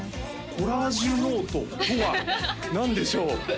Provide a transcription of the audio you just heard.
コラージュノートとは何でしょう？